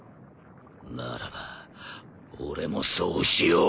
ならば俺もそうしよう。